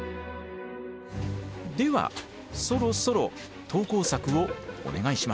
ではそろそろ投稿作をお願いします。